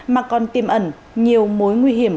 mà còn tiêm ẩn nhiều mối nguy hiểm